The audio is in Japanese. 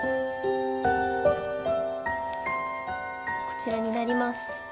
こちらになります。